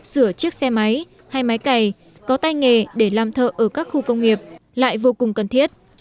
sửa chiếc xe máy hay máy cày có tay nghề để làm thợ ở các khu công nghiệp lại vô cùng cần thiết